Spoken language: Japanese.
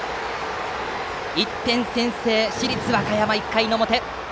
１点先制、市立和歌山、１回の表。